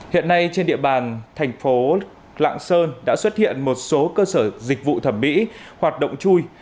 hiện nay trên địa bàn thành phố lạng sơn đã xuất hiện một số cơ sở dịch vụ thẩm mỹ hoạt động chui